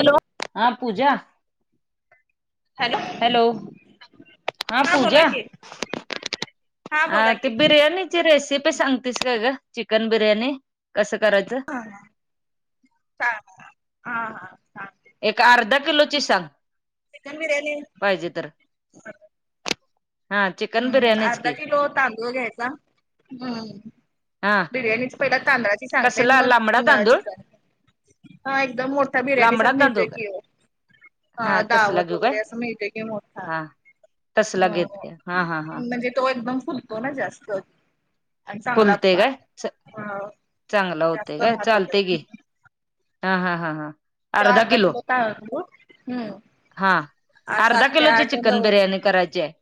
Hello. हा पूजा hello हा बोला पूजा की हा आं बोला ते की बिर्याणी ची रेसिपी सांगतेस का गं चिकन बिर्याणी कसं करायचं? आ हा [unintelligible] आ हा. सांगते एक अर्धा किलोची सांग. चिकन बिर्याणी पाहिजे तर हा चिकन हम्म बिर्याणीच अर्धा की किलो तांदूळ घ्यायचा हम्म हा बिर्याणीचा पहिला तांदळाची सांगते कसला मग लांबडा मळा तांदूळ चिकन. हा एकदम मोठा बिर्याणी सा लांबडा तांदूळ मिळतोय का की ओ. हा तसला दावत घेऊ काय वगैरे असं मिळतेय की मोठा. हा ह तसला ह. घेते हा हा हा म्हणजे तो एकदम फुलतो ना जास्त. आणि चांगला फुलते काय चांगलं होते जास्त काय भात होतोय चालतंय की. हा हा हा हा. तो अर्धा किलो तांदूळ हम्म. हा आ अर्धा सात ते किलोची आठ चिकन नऊ. बिर्याणी करायची आहे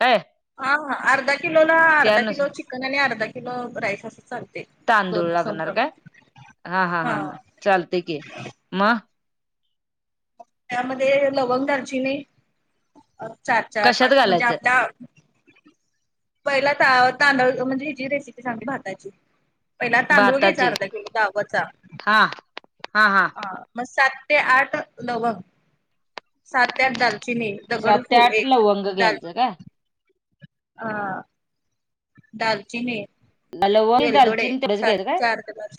काय आं हा अर्धा किलोला अर्धा किलो त्यानुसार ची चिकन आणि अर्धा किलो राईस असं चालते. तांदूळ दोन्ही लागणार संभ्रम काय हा हा हां हां चालते की म त्यामध्ये लवंग दालचिनी अ चार-चार, कशात पाच म्हणजे घालायचं आपल्या पहिल त तांदळ म्हणजे जी रेसिपी सांगते भाताची पहिला तांदूळ घ्यायचा भाताची अर्धा किलो दावतचा हा हा हा आं. मग सात ते आठ लवंग, सात ते आठ दालचिनी. सात दगडू ते फूल आठ एक लवंग दाल घ्यायचं काय हा. दालचिनी लवंग, वेलदोडे दालचिनी तेवढंच सात घ्याच काय? चार ते पाच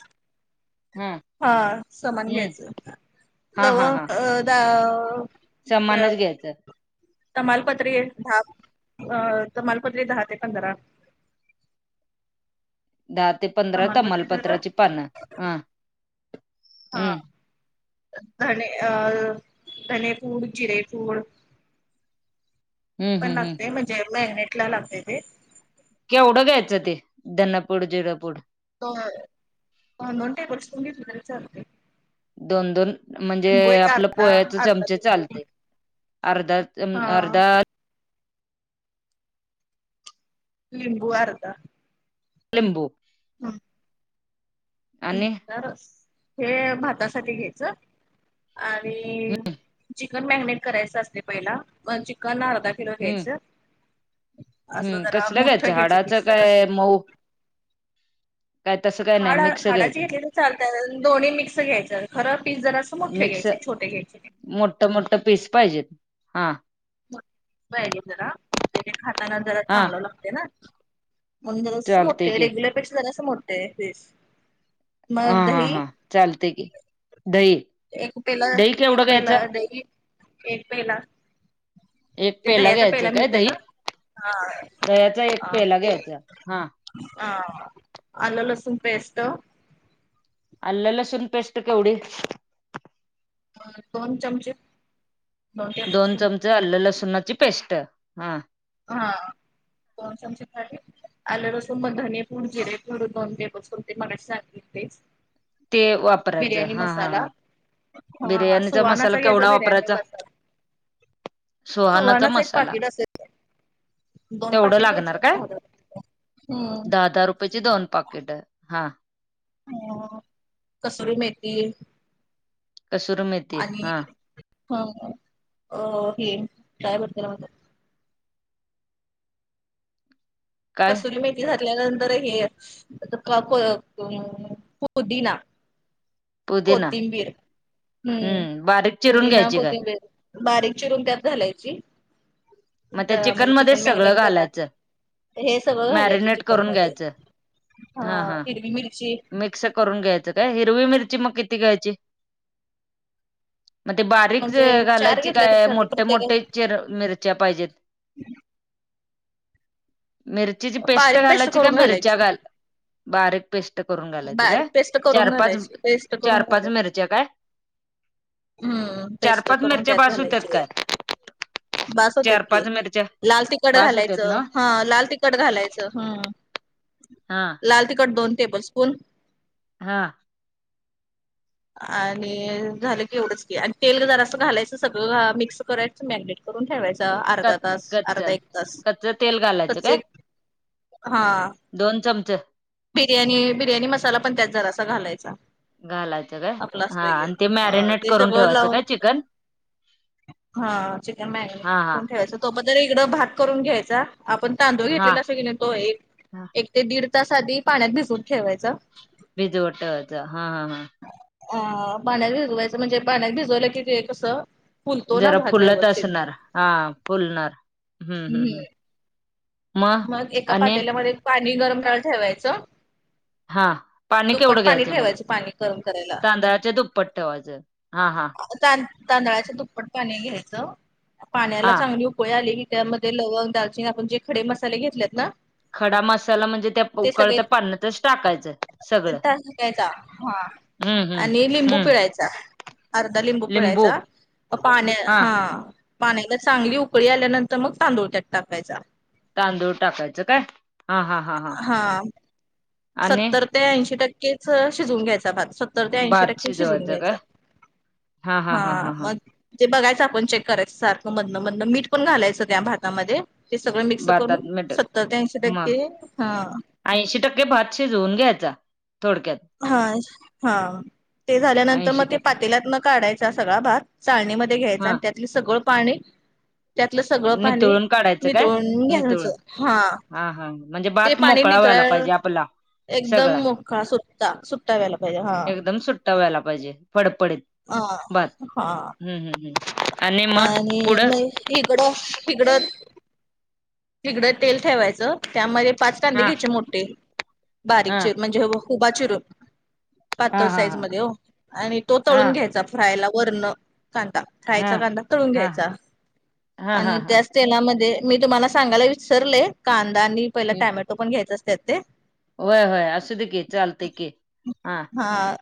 हा समान हम्म घ्यायचं. हा हा लवंग हा अ दा समानच घ्यायचं. तमालपत्री दहा अ तमालपत्री दहा ते पंधरा. दहा ते पंधरा तमालपत्री झालं तमालपत्राची पानं आं. हा धने अ धने पुड, जिरे पुड हम्म पण हम्म हम्म लागते म्हणजे मॅगनेटला लागत ते. केवढं घ्यायचं ते धनपूड, जिरपूड? [unintelligible] दोन दोन टेबल स्पून घेतलं तरी चालते. दोन दोन म्हणजे लिंबू एक आपलं अर्धा पोह्याच अर्धा चमचे लिंबू चालतंय. अर्धा चम हा अर्धा लिंबू आर्धा लिंबू हा. आणि [unintelligible] रस हे भातासाठी घ्यायचं आणि चिकन मॅगनेट करायचं असत पहिला चिकन अर्धा किलो हम्म घ्यायचं. असं हम्म जरा कसलं गं मोठं घ्यायची झाडाचं पीस काय जरासे मऊ काय तसं काय नाही हाड मिक्स हाडाची घ्यायचं घेतली तर चालतंय. दोन्ही मिक्स घ्यायचं खरं पीस जरासं मोठे घ्यायचे. छोटे घ्यायचे नाय. मोठं मोठं पीस पाहिजेत हा. मोठं पाहिजे जरा जे जे खाताना जरा हा चांगलं लागते ना. म्हणून जरासे चालतय मोठे की रेग्युलर पेक्षा जरासा मोठ पीस. हा मग हा दही हा चालते की. दही एक पेला दही एक केवढं पेला घ्यायचं दही एक पेला. एक ते दह्याच घ्यायचं पेला काय मिळतंय दही ना दह्याचा एक हा पेला ते. घ्यायचा हा हा आलं लसूण पेस्ट. आलं लसुन पेस्ट केवढी. दोन चमचे टेबल दोन स्पून चमच आलं लसुणाची पेस्ट हां. हा दोन चमचे काढलेत. आलं लसून म धने पुड, जिरे पूड दोन टेबल स्पून ते मगाशी सांगीतलं तेच. ते वापरायचं बिर्याणी हा हा मसाला हा. हा बिर्याणीचा मसाला सुवानाचा घ्यायचा केवढा बिर्याणी वापरायचा? मसाला. सुहानाचा सुवानाच एक मसाला. पाकिट असेल दोन तेवढं पाकिट लागणार घ्यायचं काय दहा दहा. हम्म. दहा दहा रु पच्ची दोन पाकीटं हा. अ कस्तुरी मेथी कसूर मे आणि ह अ हे काय बोलता. [unintelligible] काय कस्तुरी मेथी घातल्यानंतर हे प पो पुदीना पुदिना कोथिंबीर हम्म बारीक चिरून पुदीना, घ्यायची काय कोथिंबीर बारीक चिरून त्यात घालायची. मग त्या म्हणजे चिकन मध्येच सगळं मॅगिनेट करणार. घालायचं हे सगळं घालायचं मॅरिनेट चिकन करून मध्ये घ्यायचं हा हिरवी मिरची स करून घ्यायचं काय हिरवी मिरची मग किती घ्यायची? म ते बारीक म्हणजे चार घालायचे घेतल्या तरी काय चालते मोठे मोठे प्रत्येका चीर मिर च्या पाहिजते मिर चीची पेस्ट बारीक घालायची का करून मिरच्या घालायची घाल बारीक पेस्ट करून घालायच का बारीक पेस्ट करून चार-पाच, घालायची पेस्ट चार, करून पाच घालायची मिरच्या काय हम्म चार पेस्ट पाच करून मिरच्या त्यात बास होत्यात घालायचे. काय बस चार होत्यात की पाच मिरच्या लाल तिखट बास होत्यात घालायचं ना हा लाल तिख कट घालायचं हम्म. हा. लाल तिखट दोन टेबल स्पून हा. आणि झालं की एवढंच की आणि तेल गं जरासा घालायचं सगळं मिक्स करायचं मॅगिनेट करून ठेवायचा अर्धा कच तास अर्धा कच्चल एक तास कच्च तेल घालायचं कच्चे काय हा. दोन चमचं बिर्याणी बिर्याणी मसाला पण त्यात जरा सा घालायचा. घालायचं काय आपला हा असतं आणि गेला ते मॅरिनेट करून ठेवायचं अ. काय चिकन [unintelligible] हा चिकन मॅगनी हा हा कोण ठेवायचं तो पदर इकडं भात करून घ्यायचा आपण तांदूळ हा घेतलेला असं की नाही तो एक हा एक ते दीड तास आधी पाण्यात भिजून ठेवायचं. भिजवट जा हा हा हा. अ पाण्यात भिजवायचं म्हणजे पाण्यात भिजवलं की ते कसं फुलतो ना जरा भात फुलत व्यवस्थित असणार हा फुलणार हम्म हम्म हम्म. मग एका पातेल्यामध्ये पाणी गरम कराय ठेवायचं. हा पाणी दुपट् केवढं पाणी घ्यायचं मग ठेवायच पाणी गरम करायला. तांदळाच्या दुप्पट ठेवायचं हा हा तां तांदळाच्या दुप्पट पाणी घ्यायचं पाण्याला हा चांगली उकळी आली की त्यामध्ये लवंग, दालचिन आपण जे खडे मसाले घेतलेत ना खडा मसाला म्हणजे त्या ते सगळे उकळत्या पाण्यातच [inaudible] टाकायचं सगळं [unintelligible] हा. हम्म हम्म आणि लिंबू हम्म पेळायचा. अर्धा लिंबू पेळायचा पाण्या हा. पाण्याला चांगली उकळी आल्यानंतर मग तांदूळ त्यात टाकायचा. तांदूळ टाकायचं काय हा हा हा हा. आणि सत्तर ते ऐंशी टक्केच शिजून घ्यायचा भात. तर ते ऐंशी भात टक्के शिजून शिजवायचं काय घ्यायचं. हा मग ते बघायचं आपण चेक करायचं सारखं मधन मधन मीठ पण घालायचं त्या भातामध्ये. हे सगळं मिक्स करून. भातात मीठ सत्तर ते ऐंशी मग टक्के हां. ऐंशी टक्के भात शिजवून घ्यायचा थोडक्यात. हा हा. ते झाल्यानंतर ऐंशी मग ते टक्के पातेल्यात न काढायचा सगळा भात. चाळणीमध्ये घ्यायच हा आणि त्यातले सगळं पाणी त्यातलं सगळं पाणी नितळून काढायचं काय नितळून नितळून घ्यायचं हा. हा हा म्हणजे ते भात पाणी मोकळा नितळ व्हायला पाहिजे आपला. एकदम सगळा मोकळा सुटा सुट्टा व्यायला पाहिजे हा. एकदम सुट्टा व्हायला पाहिजे फडफडीत. अ हां. हमं हमं आणि मग आणि पुढं मग इकडं इकडं तिकडं तेल ठेवायचं त्यांमध्ये पाच कांदे हा घ्यायचे. मोठे बारीक हा चि म्हणजे हो उभा चिरून पातळ हा हा साईज हा मध्ये हो आणि तो हा तळून घ्यायचा. फ्रायला वरण कांदा हा फ्रायचा कांदा तळून हा घ्यायचा. हा आणि हा हा त्या तेलामध्ये मी तुम्हाला सांगायला विसरले. कांदा आणि पहिला टोमॅटो पण घ्यायचे असत्यात ते. होय होय असू दे की चालतय की हा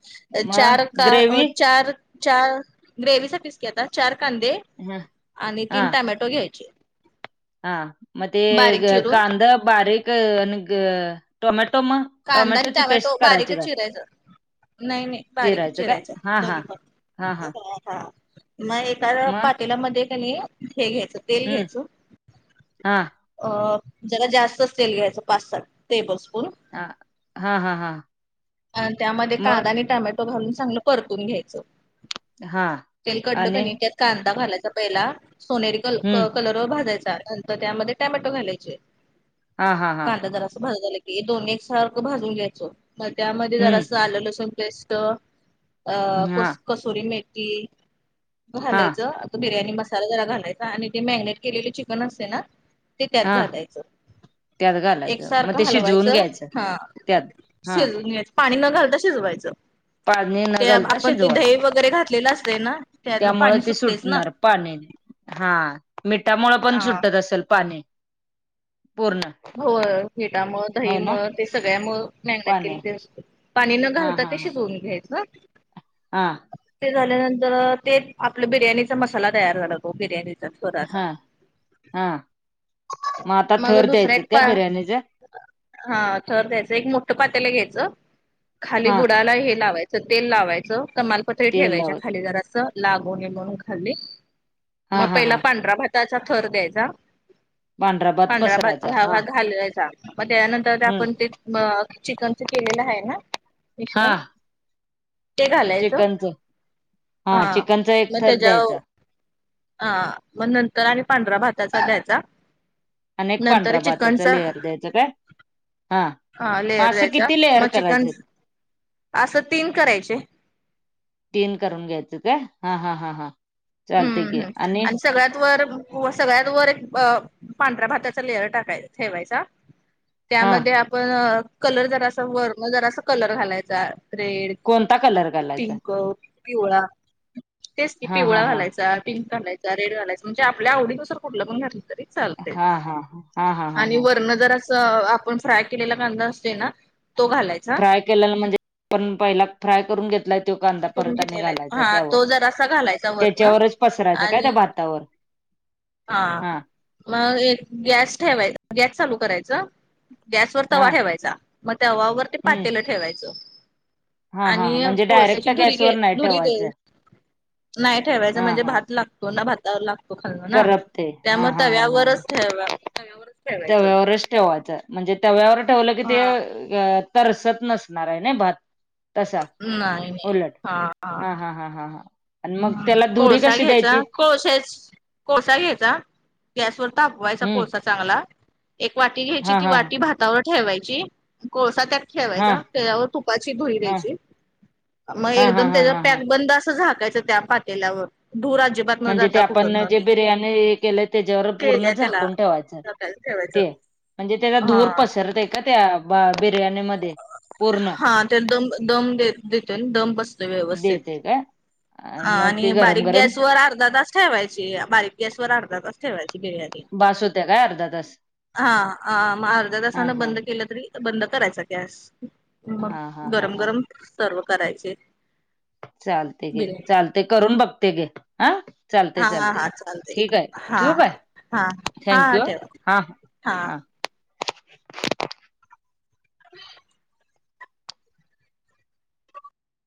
मग चार का अ. ग्रेवी चार चार ग्रेव्हीसाठीच की आता चार कांदे. हा आणि तीन हा टोमॅटो घ्यायचे. हा मग ते बारीक ग चिरून कांदा बारीक टोमॅटो मग कांदा आणि टोमॅटोची पेस्ट टोमॅटो करायची बारीकच काय चिरायच. नाही नाही बारीक चिरायचं काय चिरायच हा हा दोन्ही पण. हा हा मग एका मग पातेलामध्ये कणी हे घ्यायचं तेल हम्म घ्यायचं. हा अ जरा जास्त तेल घ्यायचं पाच सहा टेबल स्पून आ हा हा हा. आणि त्यामध्ये मग कांदा आणि टमॅटो घालून चांगलं परतून घ्यायचं. हा तेल कडलं आणि कणी त्यात कांदा घालायचा पहिला सोनेरी कल हम्म कलर भाजायचे नंतर त्यामध्ये टोमॅटो घालायचे. हा हा हा कांदा जरासा भाजला की, ते दोन्ही एक सारखं भाजून घ्यायचं. त्यांमध्ये जरासं हम्म आलं लसूण पेस्ट. अ को हा कसोरी मेथी हा घालायचं. बिर्याणी मसाला जरा घालायचा आणि ते मॅरिनेट केले चिकन असते ना? ते त्यात हा घालायचं त्यात घालायचं मग ते एकसारखं शिजवून हलवायचं घ्यायचं हां. त्यात हा शिजवून घ्यायचं पाणी न घालता शिजवायचं. पाणी न ते घालता आपण ते दही शिजवायचं वगैरे घातलेलं असतंय ना त्यातलं त्यामुळे पाणी ते सुटतेस ना. सुटणार पाणी हा मिठामुळें पण अ सुटत असेल पाणी पूर्ण. हो हिटामुळ होय ना दहीमुळ ते सगळ्यामुळ मॅगनेट पाणी केलेलं असते. पाणी न घालता ते शिजवून घ्यायचं. हां. ते झाल्यानंतर ते आपलं बिर्याणीचा मसाला तयार झाला तो बिर्याणी. हा हा. मग आता थर दुसरा द्यायचं एक त्या पा बिर्याणी चं. हा थर द्यायचं एक मोठ पातेल घ्यायचं खाली हा बुडाला हे लावायचं. तेल लावायचं कमालपत्री तेल ठेवायच्या लावत खाली जरासं लागू नये म्हणून खाली. हा मग हा पहिला हा पांढरा भाताचा थर द्यायचा. पांढरा भात पसरायचा हा घालायचा मग त्यानंतर हम्म आपण ते चिकनच केलेलं आहे ना. हा मिश्रण. ते घालायचं चिकनच हा चिकनचा एक मग थर तेच्याव. द्यायचा ह मग नंतर आणि पांढरा भाताचा द्यायचा. अनेक नंतर पांढरा भाताच चिकनचा लेअर द्यायचं काय? हा हा मग लेअर असं द्यायचा किती लेअर मग चिकन करायचे असं तीन करायचे. तीन करून घ्यायचं काय? ते हा हा हां हां हम्म हम्म आणि सगळ्यात वर. व सगळ्यात वर एक पांढऱ्या भाताचा लेअर टाकायच ठेवायचा. हा त्यांमध्ये आपण कलर जरासा वरन जरास कलर घालायचा रेड. कोणता कलर घालायचा पिंक पिवळा तेच की हा हा पिवळा घाला. हा पिंक घालायचा रेड घालायचा म्हणजे आपल्या आवडीनुसार कुठल पण घातलं तरी. चालतंय हा हा हा हा हा आणि हा वरन जरा स आपण फ्राय केलेला कांदा असतोय ना तो घालायचा. फ्राय केलेला म्हणजे, आपण पहिला फ्राय करून घेतलाय. तो कांदा करून परत आणि घेतलेला घालायचा हा त्यावर तो जरासा घालायचा वरण त्याच्यावरच पसरायचा काय आणि त्या भातावर. हा मग एक गॅस ठेवायचं. गॅस चालू करायचं. गॅसवर हा तवा ठेवायचा मग तवावर ते पातेलं ठेवायचं. हां हां आणि म्हणजे डायरेक्ट कोळश्याची धुरी घे गॅसवर नाही धुरी दे ठेवायचं नाही ठेवायचं. हा म्हणजे हा भात लागतो ना भातावर लाग तो खाल न करपते हा त्यामुळे हा हा हा हा तव्यावरच ठे तव्यावरच ठेवायचं. ठेवायच म्हणजे तव्यावर ठेवलं की ते हा तरसत नसणार आहे ना भात. तसं नाही नाही उलट हा हा हा हा हा हा. आणि मग त्याला दुरी कशी द्यायची? कोळश्यास कोळसा घ्यायचा. गॅसवर तापवायचा हम्म कोळसा चांगला. एक वाटी घ्यायची हा ती हा वाटी भातावर ठेवायची कोळसा त्यात. हा ठेवायचा त्याच्यावर तुपाची धुरी हा द्यायची. मग हा हा एकदम हा त्याचा हा हा पॅक बंद असं झाकायचं त्या पातेल्यावर धुर अजिबात न म्हणजे ते जाता कुठं आपण जे नाही बिर्याणी केलं तेच्यावर पूर्ण केल्या त्याला झाकून ठेवायचं. झाकायला ठेवायचं ते म्हणजे त्यांचा हा धुर पसरतय का ते त्या बिर्याणीमध्ये. पूर्ण हा तर दम दम देतोय दम बसतोय ना व्यवस्थित. देते काय अ मग आणि ते गरम बारीक गरम गॅस वर अर्धा तास ठेवायची बारीक गॅस वर अर्धा तास. ठेवायची बिर्याणी. बास होत्या काय अर्धा तास हा मग अर्ध्या हा तासान हा बंद केलं तरी. बंद करायचा गॅस. मग हा हा हा गरम हा गरम सर्व्ह करायचे. चालते गे बिर्याणी. चालते करून बघते. घे हा चालते चालते. चालतंय ठीक आहे ठेवू हां काय हां हां ह थँक्यू ठेवा हा हां. हा [unintelligible]